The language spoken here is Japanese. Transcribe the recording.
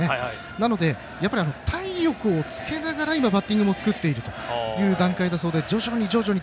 なので、体力をつけながら今、バッティングも作っているという段階だそうで徐々に徐々に。